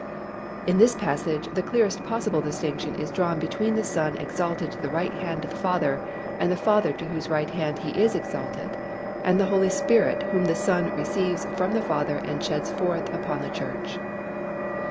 In this passage, the clearest possible distinction is drawn between the Son exalted to the right hand of the Father and the Father to whose right hand He is exalted, and the Holy Spirit whom the Son receives from the Father and sheds forth upon the Church.